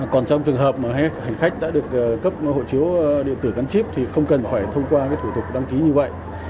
còn trong trường hợp mà hành khách đã được cấp hộ chiếu điện tử gắn chip thì không cần phải thông qua thủ tục đăng ký như vậy